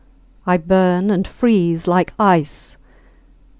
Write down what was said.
I burn, and freeze like ice.